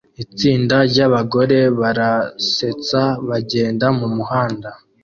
Itsinda ryabagore barasetsa bagenda mumuhanda